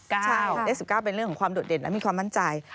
ใช่เลข๑๙เป็นเรื่องของความโดดเด่นและมีความมั่นใจ